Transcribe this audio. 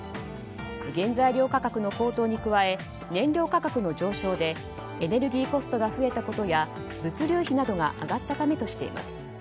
原材料価格の高騰に加え燃料価格の上昇でエネルギーコストが増えたことや物流費などが上がったためとしています。